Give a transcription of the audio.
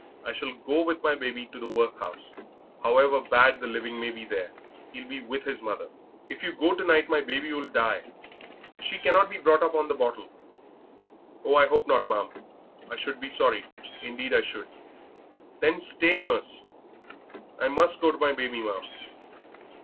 I shall go with my baby to the workhouse. However bad the living may be there, he'll be with his mother." "If you go to night my baby will die. She cannot be brought up on the bottle." "Oh, I hope not, ma'am. I should be sorry, indeed I should." "Then stay, nurse." "I must go to my baby, ma'am."